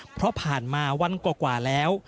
เพราะผ่านมาวันกว่าแล้ว